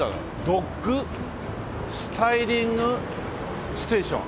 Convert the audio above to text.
ドッグスタイリングステーション。